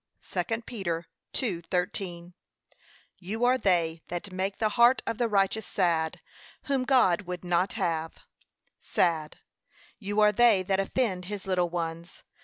(2 Peter 2:13) You are they that make the heart of the righteous sad, whom God would not have, sad; you are they that offend his little ones.